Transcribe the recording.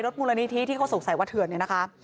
มูลนิธิที่เขาสงสัยว่าเถื่อนเนี่ยนะคะ